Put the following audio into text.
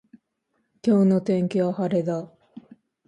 今日の天気は晴れだ。